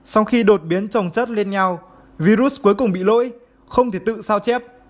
sau khi đột biến trong năm hai nghìn hai mươi một